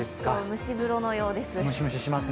蒸し風呂のようです。